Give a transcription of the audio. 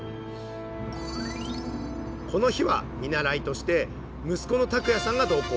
この日は見習いとして息子の拓也さんが同行。